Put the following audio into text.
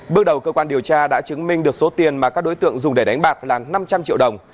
bước đầu cơ quan điều tra đã chứng minh được số tiền mà các đối tượng dùng để đánh bạc là năm trăm linh triệu đồng